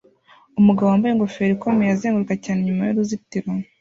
Umugabo wambaye ingofero ikomeye azenguruka cyane inyuma y'uruzitiro